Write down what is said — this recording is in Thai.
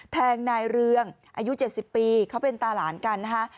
แทงนายเรืองอายุ๗๐ปีเขาเป็นตาหลานกันนะคะ